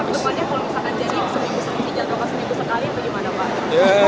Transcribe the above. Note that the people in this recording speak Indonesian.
kalau misalkan jadi seminggu seminggu seminggu seminggu sekali apa gimana pak